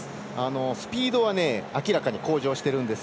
スピードは明らかに向上してるんです。